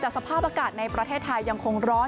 แต่สภาพอากาศในประเทศไทยยังคงร้อน